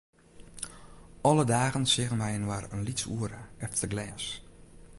Alle dagen seagen wy inoar in lyts oere, efter glês.